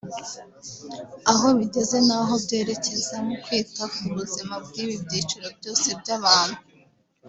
aho bigeze n’aho byerekeza mu kwita ku buzima bw’ibi byiciro byose by’abantu